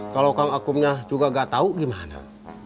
kalau kang akumnya juga nggak tahu gimana